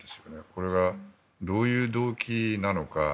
これはどういう動機なのか